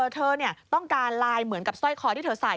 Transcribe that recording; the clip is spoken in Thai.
เธอต้องการลายเหมือนกับสร้อยคอที่เธอใส่